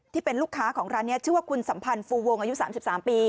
ที่เป็นลูกค้าของร้านนี้ชื่อว่าคุณสัมพันธ์ฟูวงอายุ๓๓ปี